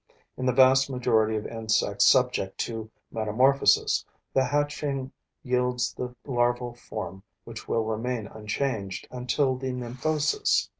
In the vast majority of insects subject to metamorphoses, the hatching yields the larval form which will remain unchanged until the nymphosis.